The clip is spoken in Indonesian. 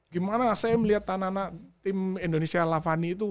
gimana saya melihat tanah tanah tim indonesia lavani itu